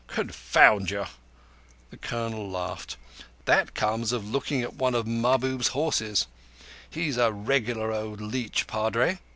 "Confound you!" The Colonel laughed. "That comes of looking at one of Mahbub's horses. He's a regular old leech, Padre.